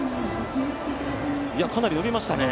かなり伸びましたね。